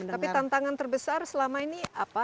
tapi tantangan terbesar selama ini apa